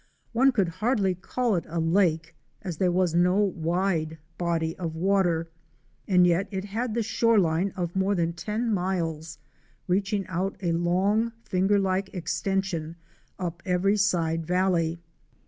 One could hardly call it a lake as there was no wide body of water, and yet it had a shore line of more than ten miles, reaching out along finger like extension up every side valley.